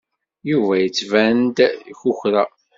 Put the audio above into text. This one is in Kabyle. Yuba yettban-d ikukra.